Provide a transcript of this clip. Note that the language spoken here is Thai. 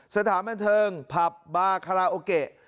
สถานบันเทิงผับบาคาราโอเกะ